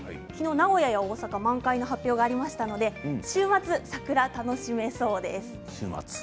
きのう名古屋や大阪満開の発表がありましたので週末、桜楽しめそうです。